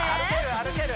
歩ける？